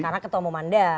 karena ketua umum anda